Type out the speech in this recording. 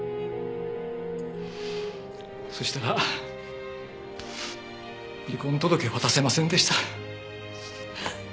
そしたら離婚届渡せませんでした。